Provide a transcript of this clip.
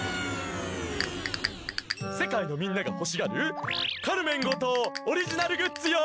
せかいのみんながほしがるカルメン後藤オリジナルグッズよ。